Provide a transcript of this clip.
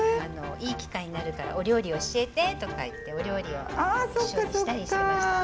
「いい機会になるからお料理教えて」とか言ってお料理を一緒にしたりしてました。